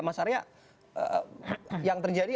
mas arya yang terjadi